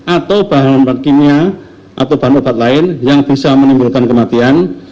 atau bahan obat kimia atau bahan obat lain yang bisa menimbulkan kematian